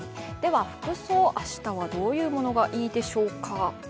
服装、明日はどういうものがいいでしょうか。